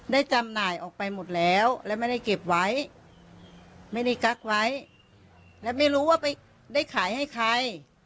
จำหน่ายออกไปหมดแล้วและไม่ได้เก็บไว้ไม่ได้กักไว้และไม่รู้ว่าไปได้ขายให้ใคร